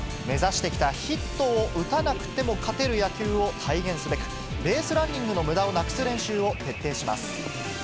目指してきたヒットを打たなくても勝てる野球を体現すべく、ベースランニングのむだをなくす練習を徹底します。